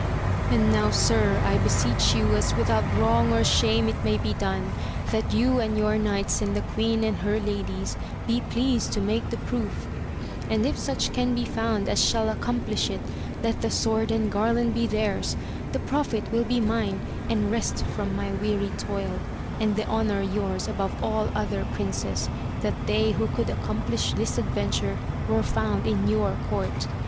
And now, sir, I beseech you, as without wrong or shame it may be done, that you and your knights and the queen and her ladies be pleased to make the proof ; and if such can be found as shall accomplish it, let the sword and garland be theirs, the profit will be mine, and rest from my weary toD, and the honour yours above all other princes, that they who could accomplish this adventure were found in your court.